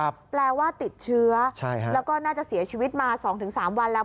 แปลว่าติดเชื้อแล้วก็น่าจะเสียชีวิตมา๒๓วันแล้ว